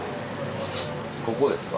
ここですか？